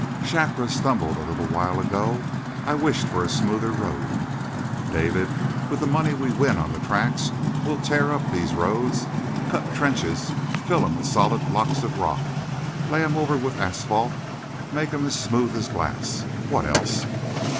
"Shakra stumbled a little while ago; I wished for a smoother road." "David, with the money we win on the tracks we'll tear up these roads, cut trenches, fill 'em with solid blocks of rock, lay 'em over with asphalt, make 'em as smooth as glass! What else?"